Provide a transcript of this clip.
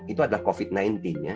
itu adalah covid sembilan belas ya